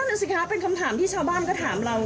นั่นสิคะเป็นคำถามที่ชาวบ้านก็ถามเรา